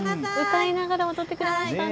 歌いながら踊ってくれましたね。